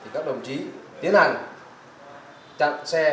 các đồng chí hiểu rõ chưa